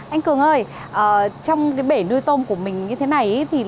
anh cường ơi trong bể nuôi tông của mình như thế này